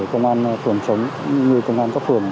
công an phường chống như công an các phường